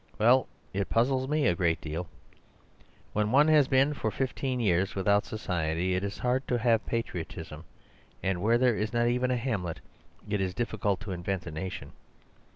Well, it puzzles me a great deal. When one has been for fifteen years without society it is hard to have patriotism; and where there is not even a hamlet it is difficult to invent a nation.